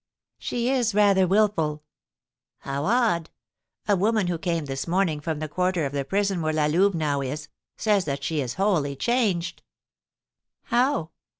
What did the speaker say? "She is rather wilful." "How odd! A woman, who came this morning from the quarter of the prison where La Louve now is, says that she is wholly changed." "How?"